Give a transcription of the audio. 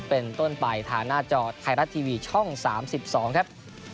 เป็นต้นไปทางหน้าจอไทยรัฐทีวีช่อง๓๒ครับ